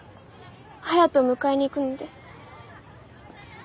隼人を迎えに行くので。